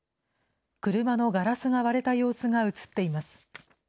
車のガラスが割れた様子が写っています。